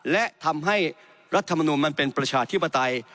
และทำให้รัฐมนุนมันเป็นประชาธิปไตย